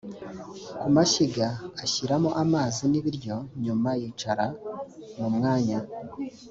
ku mashyiga ashyiramo amazi n ibiryo nyuma yicara mu mwanya